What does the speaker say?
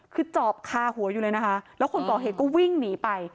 คือจอบคาหัวอยู่เลยนะคะแล้วคนก่อเหตุก็วิ่งหนีไป